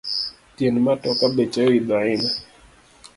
Tiend matoka beche oidho ahinya